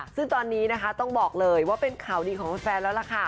ซึ่งตอนนี้นะคะต้องบอกเลยว่าเป็นข่าวดีของแฟนแล้วล่ะค่ะ